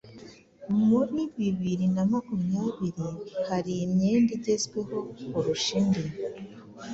Muri bibiri namakumyabiri hari imyenda igezweho kurusha indi